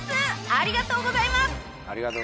ありがとうございます！